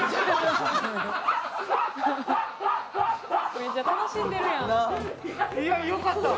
めっちゃ楽しんでるやん。